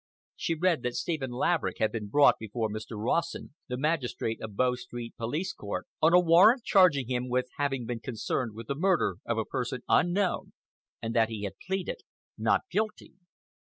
She read that Stephen Laverick had been brought before Mr. Rawson, the magistrate of Bow Street Police Court, on a warrant charging him with having been concerned with the murder of a person unknown, and that he had pleaded "Not Guilty!"